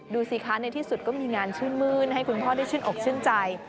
ดูสิคะในที่สุดก็มีงานชื่นมื้นให้คุณพ่อได้ชื่นอกชื่นใจ